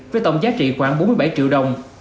với tổng giá trị khoảng bốn mươi bảy triệu đồng